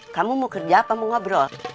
kamu mau kerja apa mau ngobrol